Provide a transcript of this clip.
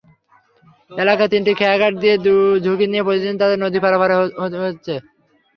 এলাকার তিনটি খেয়াঘাট দিয়ে ঝুঁকি নিয়ে প্রতিদিন তাদের নদী পারাপার হতে হচ্ছে।